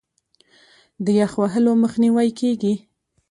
د یخ وهلو مخنیوی کیږي.